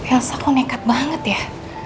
elsa kok nekat banget ya